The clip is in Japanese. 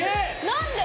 何で！？